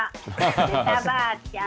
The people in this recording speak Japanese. メタばあちゃん